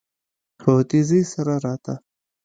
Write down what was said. په تيزی سره راته.